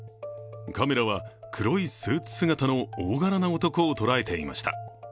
カメラは黒いスーツ姿の大柄な男を捉えていました。